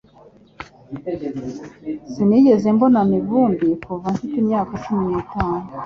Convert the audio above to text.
Sinigeze mbona Mivumbi kuva mfite imyaka cumi n'itatu